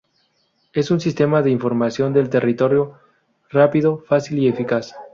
Es un sistema de información del territorio rápido, fácil y eficaz.